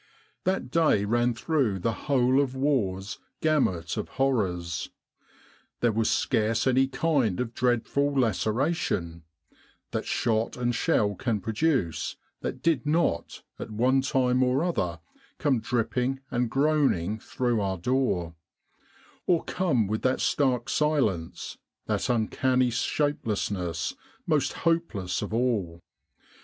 " That day ran through the whole of war's gamut of horrors there was scarce any kind of dreadful laceration that shot and shell can produce that did not, at one time or other, come dripping and groaning through our door ; or come with that stark 67 With the R.A.M.C. in Egypt silence, that uncanny shapelessness, most hopeless of all.